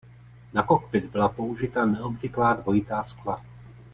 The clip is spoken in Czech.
Na kokpit byla použita neobvyklá dvojitá skla.